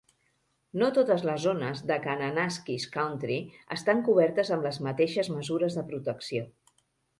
No totes les zones de Kananaskis Country estan cobertes amb les mateixes mesures de protecció.